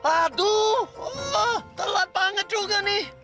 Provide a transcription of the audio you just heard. aduh telat banget juga nih